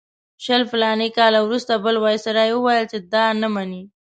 شل فلاني کاله وروسته بل وایسرا وویل چې دا نه مني.